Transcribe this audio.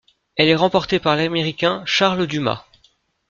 Elle est remportée par l'Américain Charles Dumas.